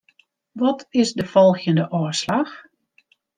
Wat is de folgjende ôfslach?